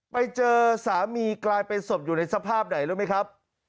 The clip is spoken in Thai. ไปเจอสามีกลายเป็นศพอยู่ในสภาพไหนรู้ไหมครับ